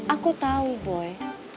aku tau boy